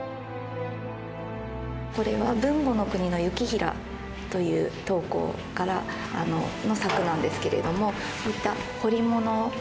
これは豊後国の行平という刀工の作なんですけれどもこういった彫り物が。